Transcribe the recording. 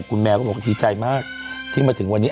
คุณแมวก็บอกดีใจมากที่มาถึงวันนี้